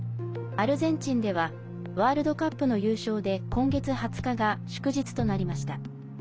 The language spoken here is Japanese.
アルゼンチンではワールドカップの優勝で今月２０日が祝日となりました。